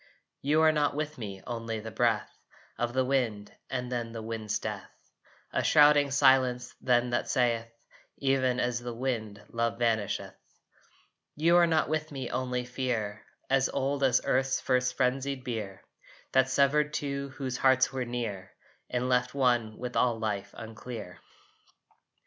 You are not with me, only the breath Of the wind and then the wind's death. A shrouding silence then that saith, "Even as wind love vanisheth." You are not with me only fear, As old as earth's first frenzied bier That severed two whose hearts were near, And left one with all Life unclear.